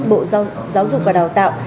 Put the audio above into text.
bộ giáo dục và đào tạo